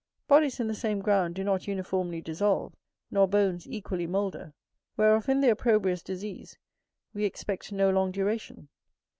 Bodies in the same ground do not uniformly dissolve, nor bones equally moulder; whereof in the opprobrious disease, we expect no long duration.